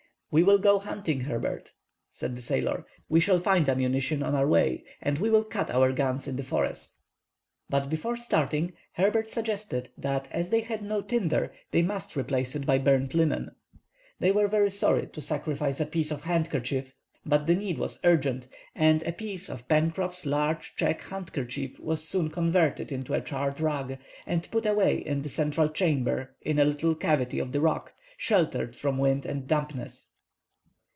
"We will go hunting, Herbert, "said the sailor. "We shall find ammunition on our way, and we will cut our guns in the forest." But, before starting, Herbert suggested that as they had no tinder they must replace it by burnt linen. They were sorry to sacrifice a piece of handkerchief, but the need was urgent, and a piece of Pencroff's large check handkerchief was soon converted into a charred rag, and put away in the central chamber in a little cavity of the rock, sheltered from wind and dampness.